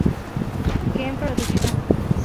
Ken Production